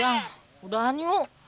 yang udahan yuk